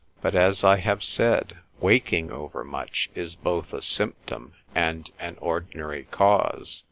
But, as I have said, waking overmuch, is both a symptom, and an ordinary cause.